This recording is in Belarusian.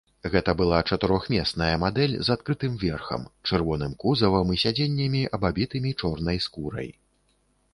Гэта была чатырохмесная мадэль з адкрытым верхам, чырвоным кузавам і сядзеннямі, абабітымі чорнай скурай.